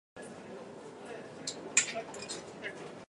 No jemma juutiri fuu, baɓɓol ɗon wadda hoore.